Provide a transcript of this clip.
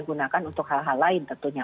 gunakan untuk hal hal lain tentunya